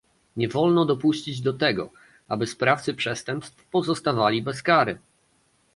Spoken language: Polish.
Nie wolno dopuścić do tego, aby sprawcy przestępstw pozostawali bez kary